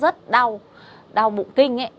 rất đau đau bụng kinh